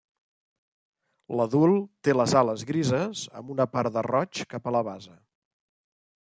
L'adult té les ales grises amb una part de roig cap a la base.